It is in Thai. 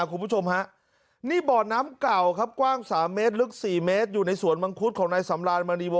คุณผู้ชมฮะนี่บ่อน้ำเก่าครับกว้าง๓เมตรลึก๔เมตรอยู่ในสวนมังคุดของนายสำรานมณีว